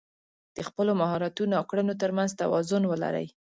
د خپلو مهارتونو او کړنو تر منځ توازن ولرئ.